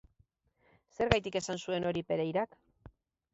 Zergatik esan zuen hori Pereirak?